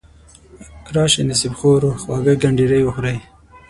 راشئ نصیب خورو خواږه کنډیري وخورئ.